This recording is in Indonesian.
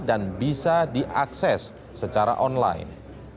dan bisa diakses secara online